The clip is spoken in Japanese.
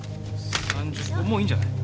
もういいんじゃない？